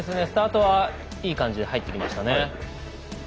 スタートはいい感じで入ってきましたね。